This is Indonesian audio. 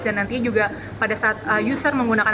dan nanti juga pada saat user menggunakan